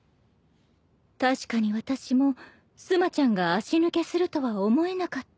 確かに私も須磨ちゃんが足抜けするとは思えなかった。